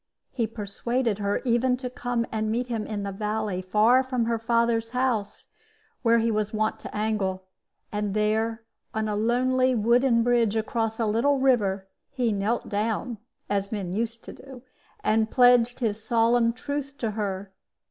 He persuaded her even to come and meet him in the valley far from her father's house, where he was wont to angle; and there, on a lonely wooden bridge across a little river, he knelt down (as men used to do) and pledged his solemn truth to her.